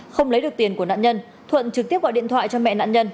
không lấy được tiền của nạn nhân thuận trực tiếp gọi điện thoại cho mẹ nạn nhân